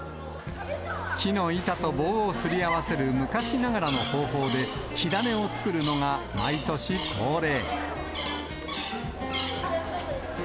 木の板と棒をすり合わせる昔ながらの方法で、火種を作るのが毎年恒例。